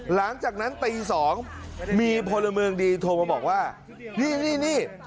หลังจากนั้นตี๒มีพลเมืองดีโทรมาบอกว่านี่นี่